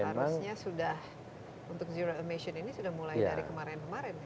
untuk zero emission ini sudah mulai dari kemarin kemarin